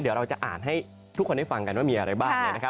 เดี๋ยวเราจะอ่านให้ทุกคนได้ฟังกันว่ามีอะไรบ้าง